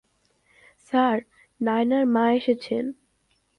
Sir, নায়নার মা এসেছেন।